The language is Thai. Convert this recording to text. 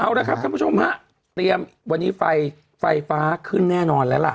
เอาละครับท่านผู้ชมฮะเตรียมวันนี้ไฟไฟฟ้าขึ้นแน่นอนแล้วล่ะ